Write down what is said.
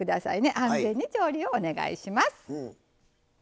安全に調理をお願いします。